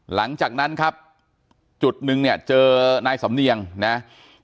หลังจากนั้นครับจุดนึงเนี่ยเจอนายสำเนียงนะครับ